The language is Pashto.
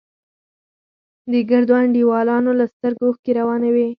د ګردو انډيوالانو له سترگو اوښکې روانې وې.